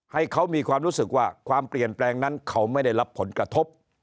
ให้เขามีความรู้สึกว่าความเปลี่ยนแปลงนั้นเขาไม่ได้รับผลกระทบ